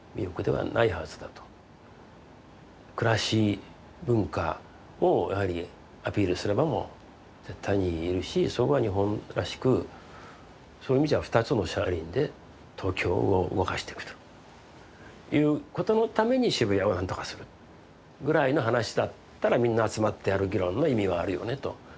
暮らし文化をやはりアピールする場も絶対にいるしそこは日本らしくそういう意味じゃ２つの車輪で東京を動かしていくということのために渋谷を何とかするぐらいの話だったらみんな集まってやる議論の意味はあるよねと。